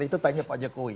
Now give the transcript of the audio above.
itu tanya pak jokowi